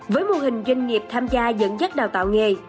với mô hình doanh nghiệp tham gia dẫn dắt đào tạo nghề